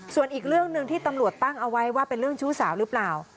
ส่วนอีกเรื่องหนึ่งที่ตำรวจตั้งเอาไว้ว่าเป็นเรื่องชู้สาวหรือเปล่า